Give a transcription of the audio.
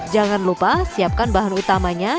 jangan lupa siapkan bahan utamanya